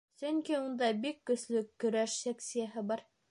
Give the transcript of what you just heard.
Сөнки унда бик көслө көрәш секцияһы бар.